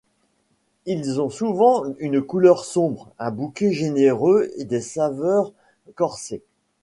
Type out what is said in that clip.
Ils ont souvent une couleur sombre, un bouquet généreux et des saveurs corsées.